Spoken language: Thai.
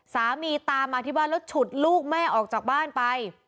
สามีตามมาที่บ้านแล้วฉุดลูกแม่ออกจากบ้านไป